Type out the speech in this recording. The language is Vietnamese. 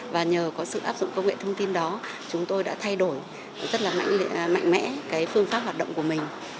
và nhờ có sự áp dụng công nghệ thông tin đó chúng tôi đã thay đổi rất là mạnh mẽ cái phương pháp hoạt động của mình